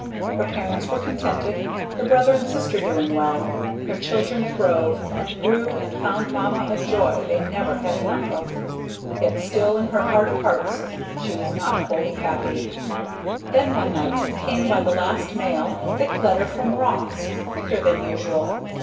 Her parents were contented her brother and sister doing well her children throve and grew and found Mama a joy they never had enough of. Yet still in her heart of hearts she was not wholly happy. Then one night came by the last mail, a thick letter from Ross thicker than usual.